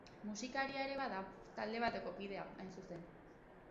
Musikaria ere bada, talde bateko kidea, hain zuzen.